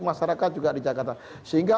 masyarakat juga di jakarta sehingga